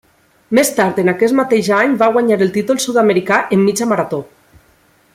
Més tard en aquest mateix any, va guanyar el títol sud-americà en mitja marató.